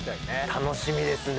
楽しみですね。